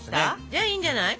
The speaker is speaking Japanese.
じゃあいいんじゃない？